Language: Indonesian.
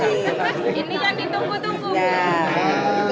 ini kan ditunggu tunggu